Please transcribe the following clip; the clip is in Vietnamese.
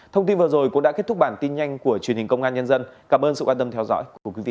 thông tin vừa rồi cũng đã kết thúc bản tin nhanh của truyền hình công an nhân dân cảm ơn sự quan tâm theo dõi của quý vị